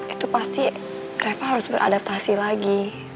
itu pasti kereta harus beradaptasi lagi